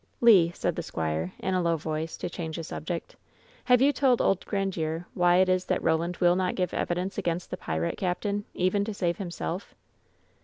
"Le," said the squire, in a low voice, to change the subject, "have you told old Grandiere why it is that Ro land will not give evidence against the pirate captain, even to save himself?"